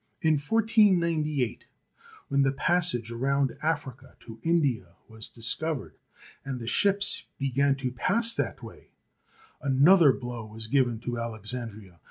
In 1498, when the passage around Africa to India was discovered, and the ships began to pass that way, another blow was given to Alexandria.